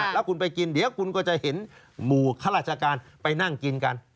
แล้วคุณไปกินเดี๋ยวคุณก็จะเห็นหมู่ข้าราชการไปนั่งกินกัน